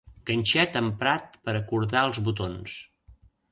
Ganxet emprat per a cordar els botons.